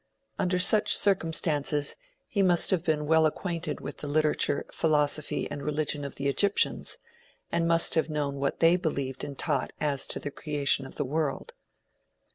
Under such circumstances, he must have been well acquainted with the literature, philosophy and religion of the Egyptians, and must have known what they believed and taught as to the creation of the world.